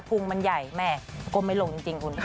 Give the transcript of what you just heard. ุงมันใหญ่แม่ก้มไม่ลงจริงคุณค่ะ